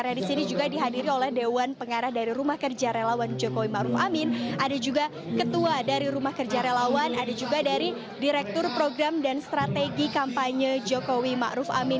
ada juga di sini juga dihadiri oleh dewan pengarah dari rumah kerja relawan jokowi ma'ruf amin ada juga ketua dari rumah kerja relawan ada juga dari direktur program dan strategi kampanye jokowi ma'ruf amin